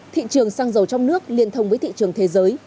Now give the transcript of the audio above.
thị trường xăng dầu trong nước liên thông với thị trường thế giới